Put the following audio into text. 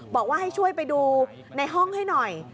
บอกว่าให้ช่วยไปดูในห้องให้หน่อย